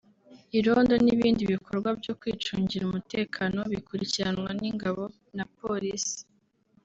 Irondo n’ibindi bikorwa byo kwicungira umutekano bikurikiranwa n’ingabo na Polisi